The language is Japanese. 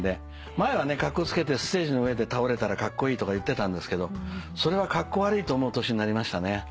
前はカッコつけてステージの上で倒れたらカッコイイとか言ってたんですけどそれはカッコ悪いと思う年になりましたね。